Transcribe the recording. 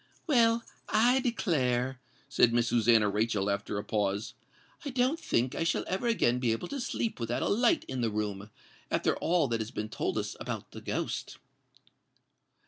"Well, I declare," said Miss Susannah Rachel, after a pause, "I don't think I shall ever again be able to sleep without a light in the room, after all that has been told us about the ghost."